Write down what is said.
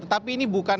tetapi ini bukan